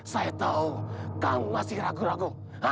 saya tahu kamu masih ragu ragu